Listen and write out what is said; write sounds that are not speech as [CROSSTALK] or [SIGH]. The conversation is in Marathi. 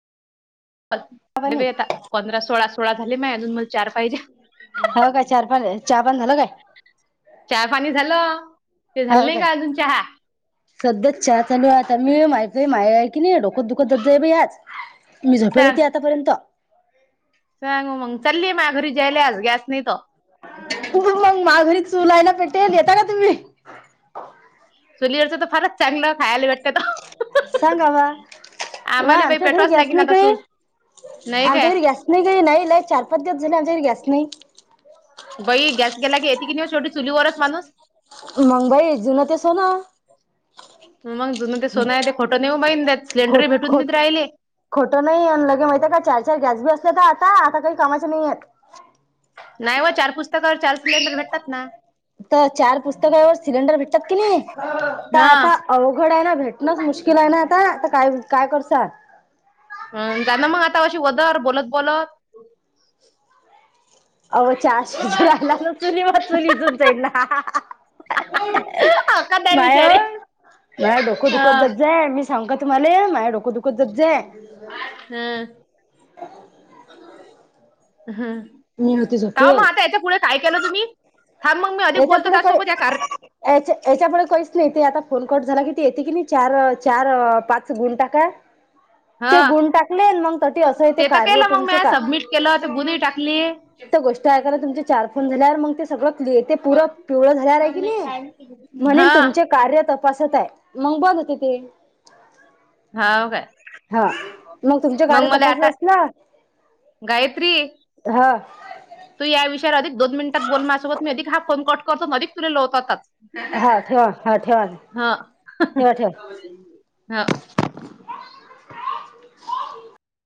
पाणी आता पंधरा सोळा सोळा झाले म अजून मग चार पाहिजे हो काय चाहा पाणी चाहा पाणी झालं काय? चहा पाणी झालं ते झाल हो नाही काय का अजून चहा सध्याच चहा आता लई नियम आहेत माया की नाही डोकत दुखत होत बाई आज मी झोपेल सांग होती आतापर्यंत सांग मग चाली मा घरी जायायला आज गॅस नाही त मग मा घरी चुल आहे ना पेटेल येता का तुम्ही चुलीवरच तर फारच चांगलं खायेला भेटलं सांगा बा आम्हाले बाई पेटव्हावीच लागेन आता चूल. नाही काय आमच्याकडं गॅस नाही काही नाही लाईट चार, पांच दिवस झाले, आमच्याकड गॅस नाही. बाई गॅस गेला की, येते की नाही शेवटी चुलीवरच माणूस. मंग बाई जुनं ते सोनं. मग जुंन ते सोनं आहे, ते खोटं नई ओ माई. त्यात खोट सिलेंडरे भेटून खोट नईत राहिले. खोटं नाही आणि लगे माहित आहे का? चार, चार गॅस बी असले का आता. आता काही कामाचे नाहीयेतं. नाही व चार पुस्तकावर, चार सिलेंडर भेटतात ना. तर चार पुस्तकावर सिलेंडर भेटतात की नाही? तर आता हा अवघड आहे ना, भेटणंच मुश्किल आहे ना आता. आ काय काय करसा? हम्म, जाना मग आता अशी वदर बोलत बोलत. [UNINTELLIGIBLE] आव चा शिजू राहिला ना चुलीवर, चुल विजून जाईल ना. का नाही नाय ओ, विचारे माय डोख दुःखत हा जात जाम सांगू का तुम्हाले? माय डोक दुखत जत जाय [UNINTELLIGIBLE] मी होती का झोपेल मग आता याच्या पुढे काय केलं तुम्ही? थांब मग मी अधिक याच्या बोलतो पुुढे काही त्यासोबत, या कार- - याच्या याच्यापुढं काहीच नाही. ते आता फोन कट झाला की, ते येते की नाही चार, चार, पाच गुण टाका हा ते गुण टाकले, मग तस असं येते ते तर कार्य केलं मग तुमचे म्या का सबमिट केलं तर [UNINTELLIGIBLE] टाकली ते गोष्ट आहे. खरं तुमचे चार फोन झाल्यावर मंग ते सगळं ते पूर पिवळ झाल्यावर हाय कनी म्हनिन, हा तुमचे कार्य त पासत आहे, मग बग तीते. हाव काय हा, मग तुमच्या कार्य मला तपासत आता असल्या गायत्री हा. तू या विषयावर अधिक दोन मिनिटात बोल माझ्यासोबत. मी अधिक हा फोन कट करतो, अधिक तुले लवतात. हा ठेवा हा ठेवा ठेवा ठेवा [UNINTELLIGIBLE]